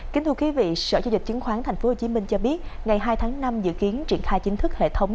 kính thưa quý vị sở giao dịch chứng khoán tp hcm cho biết ngày hai tháng năm dự kiến triển khai chính thức hệ thống